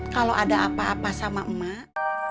kalau ada apa apa sama emak